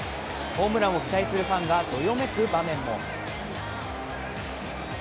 ホームランを期待するファンがどよめく場面も。